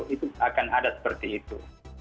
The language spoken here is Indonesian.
itu akan ada seperti itu